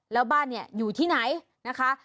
แล้วบ้านเนี่ยอยู่ที่ไหนนะคะ